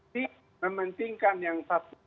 di mementingkan yang